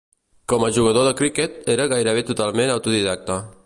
Com a jugador de criquet, era gairebé totalment autodidacta.